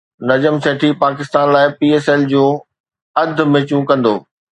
نجم سيٺي پاڪستان لاءِ P S L جون اڌ ميچون ڪندو